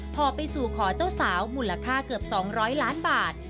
พอไปสู่ขอเจ้าสาวมูลค่าเกือบ๒๐๐ล้านบาท